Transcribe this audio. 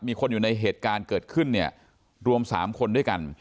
มีคนอยู่ในเหตุการณ์เกิดขึ้นเนี่ยรวม๓คนด้วยกัน